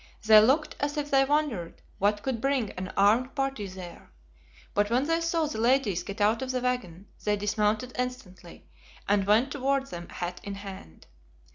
They looked as if they wondered what could bring an armed party there, but when they saw the ladies get out of the wagon, they dismounted instantly, and went toward them hat in hand.